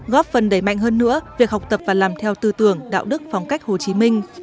góp phần đẩy mạnh hơn nữa việc học tập và làm theo tư tưởng đạo đức phong cách hồ chí minh